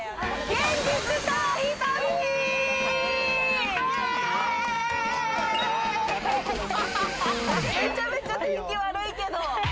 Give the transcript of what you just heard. めちゃめちゃ天気悪いけど。